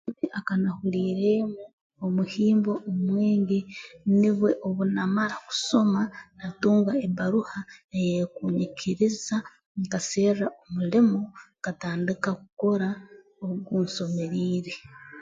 Aka nahuliiremu omuhimbo omwingi nubwo obunamara kusoma natunga ebbaruha eyeekunyikiriza nkaserra omulimo nkatandika kukora ogu nsomeriire